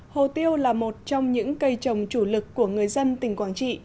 hồ tiêu là một trong những cây trồng chủ lực của người dân tỉnh quảng trị